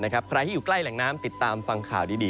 ใครที่อยู่ใกล้แหล่งน้ำติดตามฟังข่าวดี